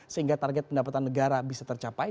sehingga target pendapatan negara bisa tercapai